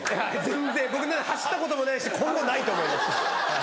全然僕なんか走ったこともないし今後ないと思います。